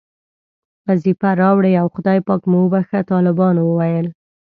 وظیفه راوړئ او خدای پاک مو وبښه، طالبانو وویل.